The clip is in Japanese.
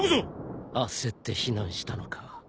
焦って避難したのか。